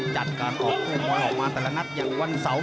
จัดการออกคู่มวยออกมาแต่ละนัดอย่างวันเสาร์